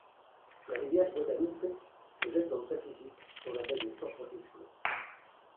La rivière Guadalupe se jette dans le Pacifique dans la baie de San Francisco.